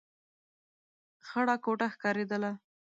خړه کوټه ښکارېدله.